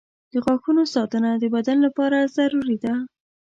• د غاښونو ساتنه د بدن لپاره ضروري ده.